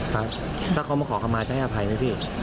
ครับถ้าเขามาขอคำมาจะให้อภัยไหมพี่